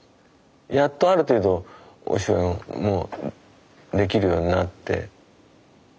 やっとある程度お芝居もできるようになって。